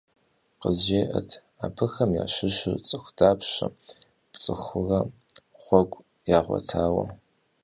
КъызжеӀэт: абыхэм ящыщу цӏыху дапщэ пцӀыхурэ гъуэгу ягъуэтауэ?